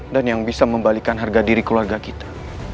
dan yang bisa membalikan harga diri keluarga kita